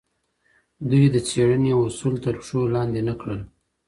دوی د څېړنې اصول تر پښو لاندې نه کړل.